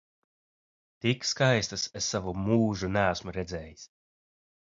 Tik skaistas es savu mūžu neesmu redzējis!